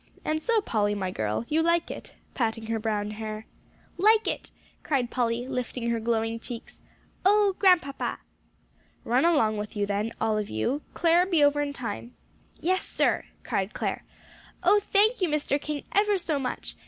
And so, Polly, my girl, you like it," patting her brown hair. "Like it!" cried Polly, lifting her glowing cheeks, "oh, Grandpapa!" "Run along with you then, all of you. Clare, be over in time." "Yes, sir," cried Clare. "Oh, thank you, Mr. King, ever so much!"